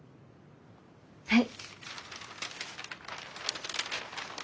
はい。